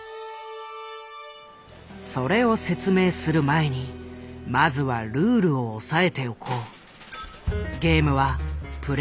それを説明する前にまずはルールを押さえておこう。